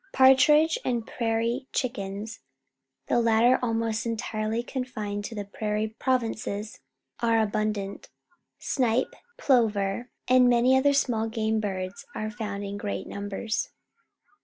Partridge and prairie chickens, the latter almost entirely con A Beaver Dam with Beavers at Work fined to the Prairie Provinces, are abundant. Snipe, plover, and many other small game birds are found in great numbers.